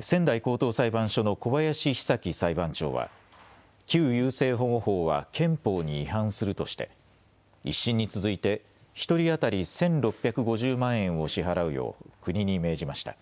仙台高等裁判所の小林久起裁判長は旧優生保護法は憲法に違反するとして１審に続いて１人当たり１６５０万円を支払うよう国に命じました。